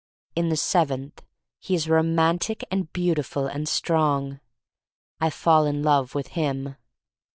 In the seventh he is romantic and beautiful — and strong. I fall in love with him.